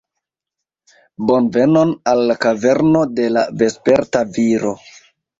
Bonvenon al la kaverno de la Vesperta Viro